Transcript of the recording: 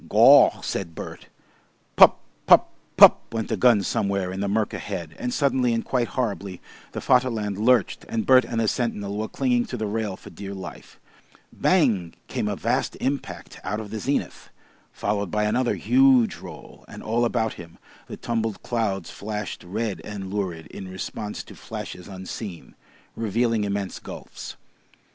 "Gaw!" said Bert. "Pup pup pup" went a gun somewhere in the mirk ahead and suddenly and quite horribly the Vaterland lurched, and Bert and the sentinel were clinging to the rail for dear life. "Bang!" came a vast impact out of the zenith, followed by another huge roll, and all about him the tumbled clouds flashed red and lurid in response to flashes unseen, revealing immense gulfs.